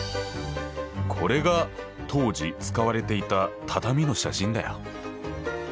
これが当時使われていた畳の写真だよ。